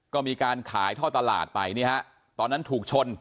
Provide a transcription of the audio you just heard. ก็มีการขายท่อตลาดไปนี่ฮะตอนนั้นถูกชน